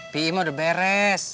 pi mu udah beres